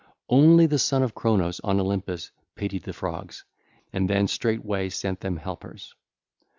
Only, the Son of Cronos, on Olympus, pitied the Frogs and then straightway sent them helpers.